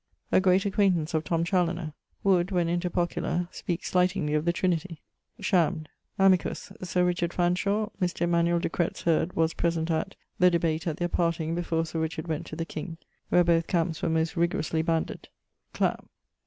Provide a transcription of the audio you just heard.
A great acquaintance of Tom Chaloner. Would, when inter pocula, speake slightingly of the Trinity. Shammed. Amicus: Sir Richard Fanshawe. Mr. Decretz heard (was present at) the debate at their parting before Sir Richard went to the king, where both camps were most rigorously banded. Clap.